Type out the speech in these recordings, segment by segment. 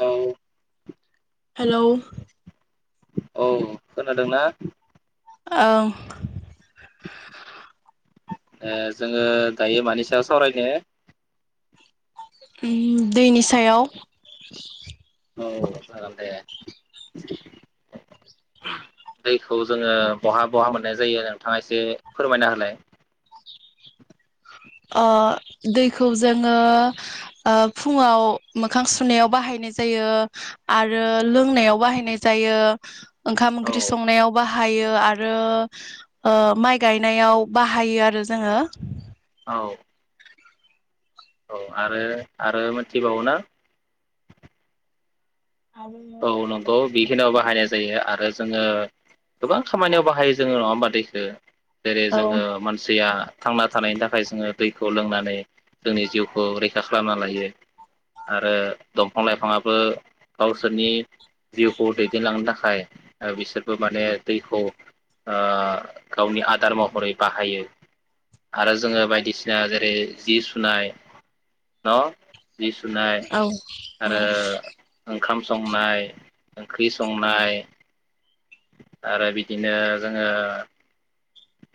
औ। हेलौ। अह खोनादों ना? औ। ओ जोङो दायो मानि सायाव सावरायनो? उम दैनि सायाव। औ जागोन दे। [inaudible] दैखौ जोङो बहा बहा मोननाय जायो नोंथाङा एसे फोरमायना होलाय। अ‌ दैखौ जोङो ओ फुङाव मोखां सुनायाव बाहाय नाय जायो आरो लोंनायाव बाहायनाय जायो ओंखाम औ ओंख्रि संनायाव बा हायो आरो ओ माइ गायनायाव बाहायो आरो जोङो। औ। औ आरो आरो मोनथिबावो ना? औ नंगौ बेखिनियाव बा हायनाय जायो आरो जोङो गोबां खामानियाव बाहायो जोङो नङा होमबा दैखो। जेरै जोङो मानसैया थांना थानायनि थाखाय जोङो दैखौ लोंनानै जोंनि जिउखौ रैखा खालामना लायो। आरो दंफां लाइफाङाबो गाव सोरनि जिउखौ दैदेनलांनो थाखाय ओ बिसोरबो माने दैखौ ओ गावनि आदार महरै बाहायो। आरो जोङो बायदिसिना जेरै जि सुनाय न' जि सुनाय औ आरो [unintelligible] ओंखाम संनाय, ओंख्रि संनाय। आरो बिदिनो जोङो।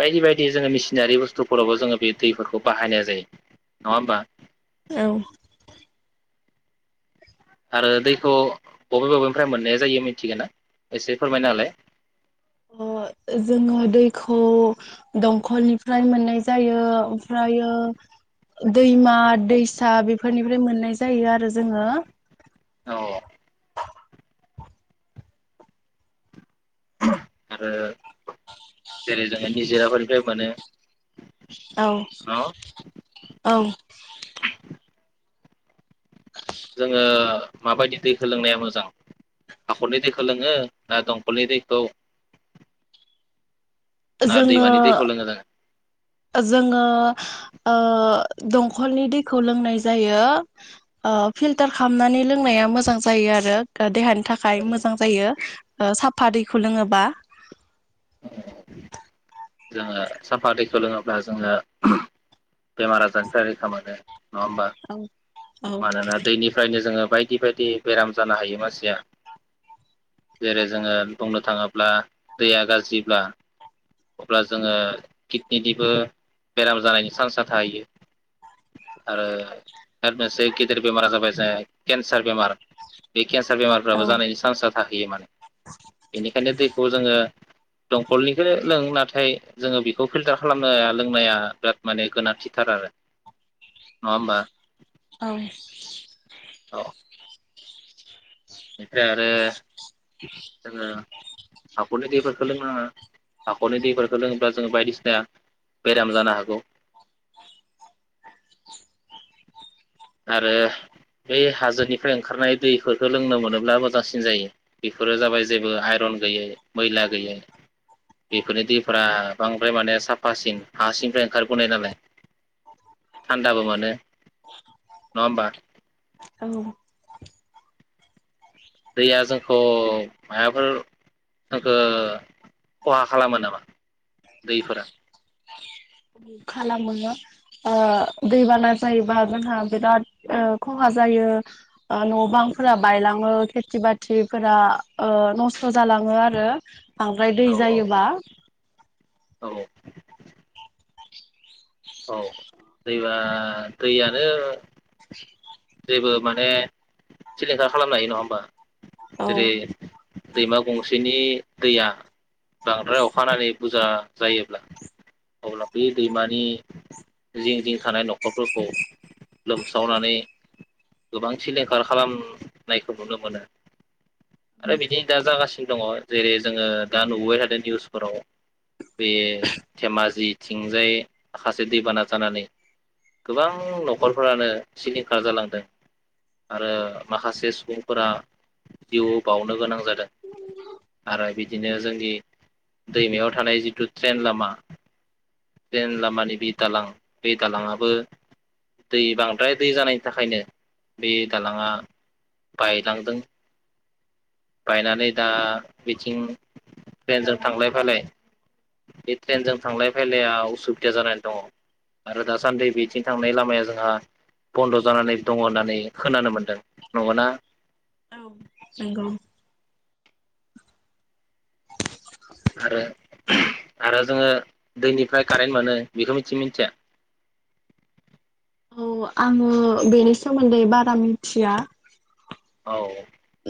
बायदि बायदि जोङो मिसिनारि बुस्थुफोरावबो जोङो बे दैफोरखौ बाहायनाय जायो। नङा होमबा। औ। आरो दैखौ बबे बबेनिफ्राय मोननाया जायो मिथिगोना एसे फोरमायना होलाय? अ। जोङो दैखौ दंखलनिफ्राय मोननाय जायो ओमफ्रायो दैमा दैसा बेफोरनिफ्राय मोननाय जायो आरो जोङो औ। आरो जेरै जों निजोराफोरनिफ्रायबो मोनो। औ न' औ। जोङो माबायदि दैखो लोंनाया मोजां? हाखरनि दैखो लोङो दंकलनि दैखौ। [unintelligible] ना जोङो दैमानि दैखौ लोङो ना? जोङो ओ दंखलनि दैखौ लोंनाय जायो। ओ फिल्टार खालामनानै लोंनाया मोजां जायो आरो देहानि थाखाय जोङो मोजां जायो ओ साफा दैखौ लोङोबा। जोङो साफा दैखौ लोङोब्ला जोङो ओहम- बेमार आजारनिफ्राय रैखा मोनो नङा होमबा औ औ मानोना दैनिफ्रायनो जोङो। बायदि बायदि बेराम जानो हायो मानसिया। जेरै जोङो बुंनो थाङोब्ला दैया गाज्रिब्ला अब्ला जोङो किडनिनिबो बेराम जानायनि चान्सा [unintelligible] जाय केन्सार बेमार बे केन्सार औ बेमारफ्राबो जानायनि चान्ससा थाहैयो माने। बेनिखायनो दैखौ जोङो दंकलनिखो लों नाथाय जोङो बिखौ फिल्टार खालामनो लोंनाया बिराद माने गोनांथार। थिथार आरो। औ। औ बेनिफ्राय आरो जोङो हाखरनि दैफोरखो लोंनााङा हाखरनि दैफोरखो लोङोब्ला जोंङो बायदिसिना बेराम जानो हागौ। [unintelligible] आरो। बै हाजोनिफ्राय ओंखारनाय दैफोरखो लोंनो मोनोब्ला मोजांसिन जायो बेफोरो जाबाय जेबो आइरन गैयै मैला गैयै बेफोरनि दैफोरा बांद्राय माने साफासिन हासिंनिफ्राय ओंखारबोनाय नालाय। थान्दाबो मोनो नङा होमबा। औ दैया जोंखौ मायबाफोर जोंखो खहा खालामो नामा दैफोरा? खालामो ओ दैबाना जायोबा जोंहा बिराद ओ खहा जा जायो ओ न' बांफोरा बायलाङो खेथि बाथिफोरा ओ नसथ जालाङो। बाङो आरो बांद्राय दै औ औ जायोबा। [inaudible] औ दैबा दैयानो जेबो माने सिलिंखार खालामनो हायो नङा होमबा औ जेरै दैमा गंसेनि दैया बांद्राय अखानानै बुजा जायोब्ला। अब्ला बे दैमानि जिं जिं थानाय न'खरफोरखौ लोमसावनानै गोबां सिलिंखार खालाम नायखौ नुनो मोनो आरो बिदिनो दा जागासिनो दङ जेरै जोङो दा नुबोबाय थादों निउसफोराव बे धेमाजि थिंजाय खासे दैबाना जानानै गोबां न'खरफोरानो सिलिं खा जालांदों आरो माखासे सुबुंफोरा जिउ बावनो गोनां जादों आरो बिदिनो जोंनि दैमायाव थानाय जिथु ट्रेन लामा जेन लामानि बि दालां बि दालाङाबो दै बांद्राय दै जानाय थाखायनो बे दालाङा बायलांदों बायनानै दा बिथिं ट्रेनजों थांलाय फैलाय बे ट्रेनजों थांलाय फैलाया उसुबिदा जानानै दङ आरो दासानदै बेथिं थांनाय लामाया जोंहा बन्द जानानै दङ होननानै खोनानो मोनदों नंगना औ नंगौ आरो आरो जोङो दैनिफ्राय कारेन्ट मोनो बेखौ मिथियो ना मिथिया [inaudible] औ आङो बेनि सोमोन्दै बारा मिनथिया औ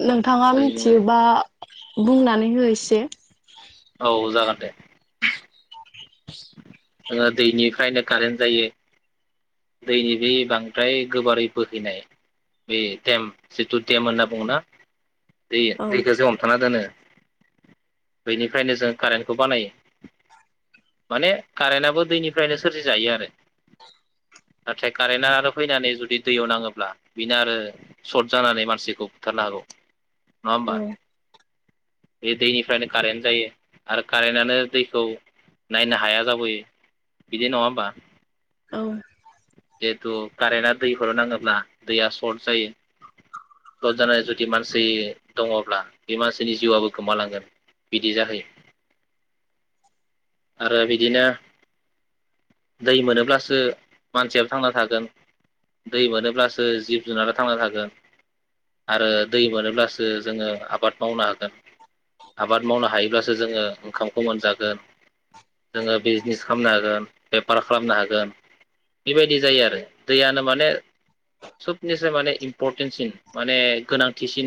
नोंथाङा जोंनि मिथियोबा बुंनानै हो एसे औ जागोन दे [inaudible] जोङो दैनिफ्रायनो कारेन्ट जायो दैनि बे बांद्राय गोबारै बोहैनाय बे टेम जिथु टेम होनना बुङोना दै औ दैखौ जे हमथाना दोनो बैनिफ्रायनो जों कारेन्टखौ बानायो माने कारेन्टआबो दैनिफ्रायनो सोरजि जायो आरो नाथाय कारेन्टआ आरो फैनानै जुदि दैयाव नाङोब्ला बिनो आरो सर्ट जानानै मानसिखौ बु ना हागौ नङा होमबा औ बे दैनिफ्रायनो कारेन्ट जायो आरो कारेन्टानो दैखौ नायनो हाया जाबोयो बिदि नङा होमबा औ जिथु कारेन्टा दैफोराव नाङोब्ला दैया सर्ट जायो सर्ट जानानै जुदि मानसि दङब्ला बे मानसिनि जिउआबो गोमालांगोन बिदि जाहैयो [inaudible] आरो बिदिनो दै मोनोब्लासो मानसियाबो थांना थागोन दै मोनोब्लासो जिब जुनारा थांना थागोन आरो दै मोनोब्लासो जोङो आबाद मावनो हागोन आबाद मावनो हायोब्लासो जोङो ओंखामखौ मोनजागोन जोङो बिजनेस खालामनो हागोन बेफार खालामनो हागोन बेबायदि जायो आरो दैयानो माने सबनिसाय माने इन्परटेनसिन माने गोनांथिसिन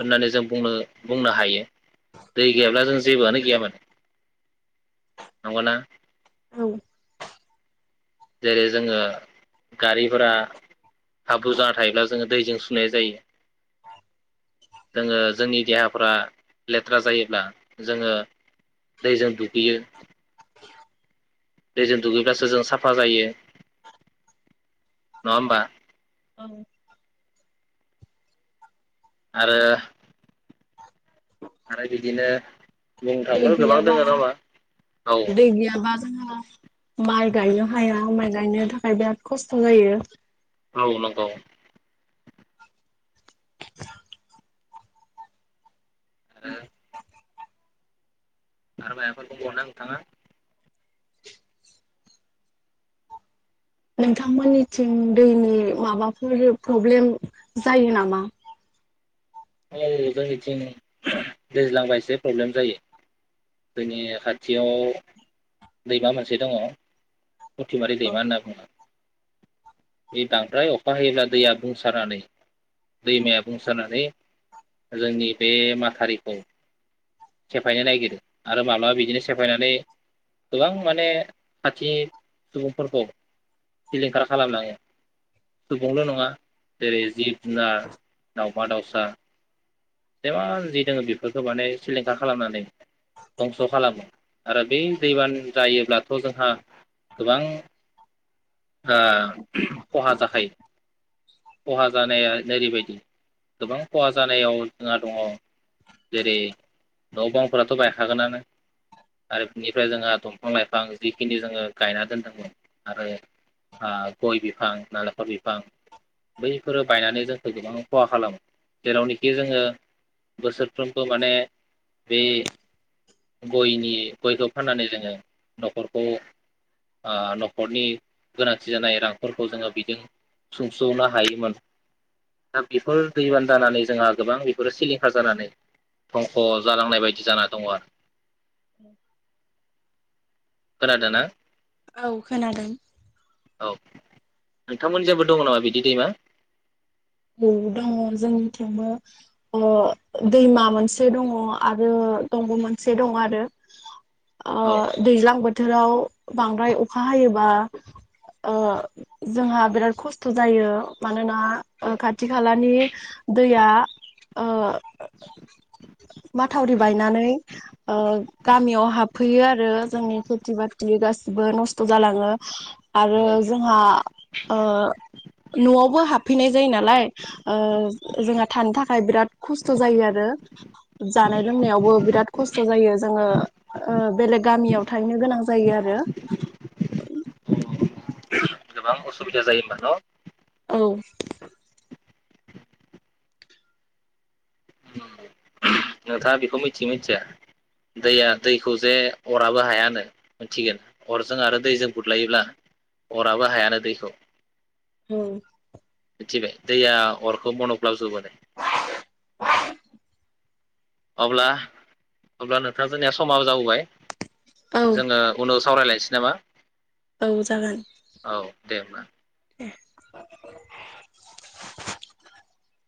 होननानै जों बुंनो बुंनो हायो दै गैयाब्ला जों जेबोआनो गैयामाथो नंगौना जेरै जोङो गारिफोरा हाब्रु जाना थायोब्ला जोङो दैजों सुनाय जायो जोङो जोंनि देहाफ्रा लेथ्रा जायोब्ला जोङो दैजों दुगैयो दैजों दुगैब्लासो जों साफा जायो नङा होमबा औं आरो आरो बिदिनो बुंनो दै थाङोब्ला गोबां गैयाबा दङ नडाहोनबा औ दै गैयाबा जोंहा माइ गायनो हाया माइ गायनो थाखाय बिराद खस्थ' जायो औ नंगौ आरो आरो माबाफोर बुंबावयोना नोंथाङा नोंथांमोननिथिं दैनि माबाफोर प्रब्लेम जायो नामा [inaudible] दैज्लांबा एसे प्रब्लेम जायो जोंनि खाथियाव दैमा मोनसे दङ उथिमारि औ दैमा होनना बुङो बे बांद्राय अखा हायोब्ला दैया बुंसारनानै दैमाया बुंसारनानै जोंनि बे माथारिखौ सेफायनो नागिरो आरो माब्लाबा बिदिनो सेफायनानै गोबां माने खाथिनि सुबुंफोरखौ सिलिंखार खालामलाङो सुबुंल' नङा जेरै जिब जुनार दावमा दाावसा जेमान जि दङ बेफोरखौ माने सिलिंखार खालामनानै धंस' खालामो आरो बे दैबान जायोब्लाथ' जोंहा गोबां ओ खहा जाखायो खहा जानाया ओरैबायदि गोबां खहा जानायाव जोंहा दङ जेरै न' बांफोराथ' बायखागोनानो आरो बिनिफ्राय जोंहा दं बिफां लाइफां जिखिनि जोङो गायना दोनदोंमोन आरो ओ गय बिफां नालेंखर बिफां बैफोरो बायनानै जोंखौ गोबां खहा खालामो जेरावनोखि जोङो बोसोरफ्रोमबो माने बे गयनि गयखौ फाननानै जोङो न'खरखौ ओ न'खरनि गोनांथि जानाय रांफोरखौ जोङो बिदों सुंसौनो हायोमोन दा बेफोर दैबाना जानानै जोंहा गोबां बेफोरो सिलिंखार जानानै धंख' जालांनाय बायदि जाना दङ आरो उ खोनादोंना औ खोनादों औ नोंथांमोन जाबो दङ नामा बिदि दैमा औ दङ जोंनि थिंबो ओ दैमा मोनसे दङ आरो दंग मोनसे दं आरो ओ औ दैज्लां बोथोर बोथोराव बांद्राय अखा हायोबा ओ जोंहा बिराद खस्थ' जायो मानोना औ खाथि खालानि दैया ओ माथावरि बायनानै ओ गामियाव हाबफैयो आरो जोंनि खेथि बाथि गासिबो नस्थ जालाङो आरो जोंहा ओ‌ नआवबो हाबफैनाय जायो नालाय ओ जोंहा थानो थाखाय बिराद खस्थ जायो आरो जानाय लोंनायावबो बिराद खस्थ जायो जोङो ओ बेलेग गामियाव थाहैनो गोनां जायो आरो [inaudible] [inaudible] गोबां असुबिदा जायो ओमबा न औ। नोंथाङा बेखौ मिथियो मिथिया? दैया दैखौ जे अराबो हायानो मिथिगोन अरजों आरो दैजों बुज्लायोब्ला। अराबो हायानो दैखौ। हुम। मिथिबाय दैया अरखौ मनग्लाबजोबोनो। अब्ला अब्ला नोंथां जोंनिया समा जाबोबाय औ जोङो उनाव स सावरायलायनोसै नामा? औ जागोन। औ दे होनोमबा। [inaudible]